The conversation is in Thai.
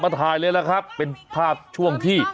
ถ่ายเลยล่ะครับเป็นภาพช่วงที่